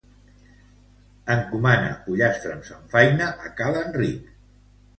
Encomana pollastre amb samfaina a Ca l'Enric.